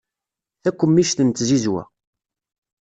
Takemmict n tzizwa.